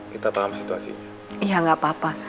kita paham situasinya